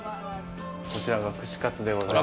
こちらが串カツでございます。